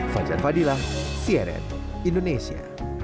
fajar fadilah sieret indonesia